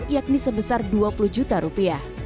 yakni sebesar dua puluh juta rupiah